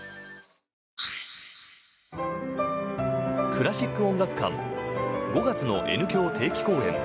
「クラシック音楽館」５月のＮ響定期公演。